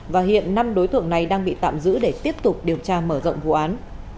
và hiện năm đối tượng này đang bị tạm giữ để tiếp tục điều tra mở rộng vụ án